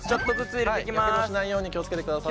やけどしないように気を付けてください。